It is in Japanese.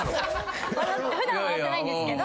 普段は笑ってないんですけど。